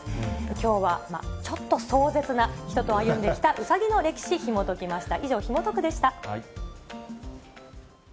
きょうは、ちょっと壮絶な、人と歩んできたうさぎの歴史、ひもときました。